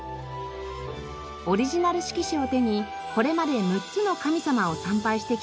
オリジナル色紙を手にこれまで６つの神様を参拝してきたきく姫さん。